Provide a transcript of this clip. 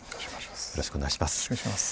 よろしくお願いします。